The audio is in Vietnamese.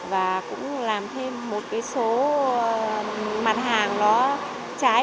và cũng làm thêm một số mặt hàng trái